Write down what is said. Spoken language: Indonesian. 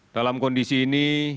dalam kondisi ini